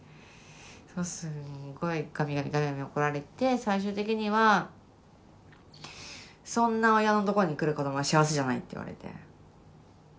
すんごいガミガミガミガミ怒られて最終的には「そんな親のとこに来る子どもは幸せじゃない」って言われて。